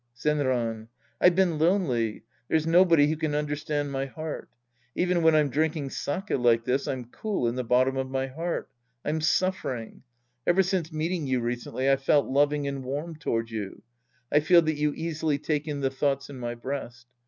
Zenran. I've been lonely. There's nobody who can understand my heart. Even when I'm drinking sake like this, I'm cool in the bottom of my heart. I'm suffering. Ever since meeting you recently, I've felt loving and warm toward you. I feel that you easily take in the thoughts in my breast.